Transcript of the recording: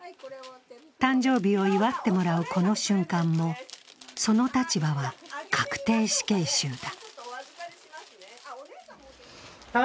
誕生日を祝ってもらうこの瞬間も、その立場は確定死刑囚だ。